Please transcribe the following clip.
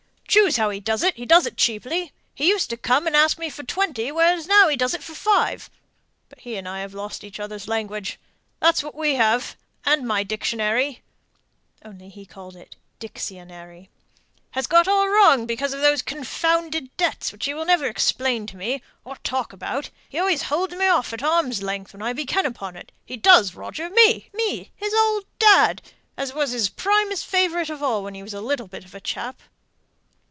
"Choose how he does it, he does it cheaply; he used to come and ask me for twenty, where now he does it for five. But he and I have lost each other's language, that's what we have! and my dictionary" (only he called it "dixonary") "has all got wrong because of those confounded debts which he will never explain to me, or talk about he always holds me off at arm's length when I begin upon it he does, Roger me, his old dad, as was his primest favourite of all, when he was a little bit of a chap!"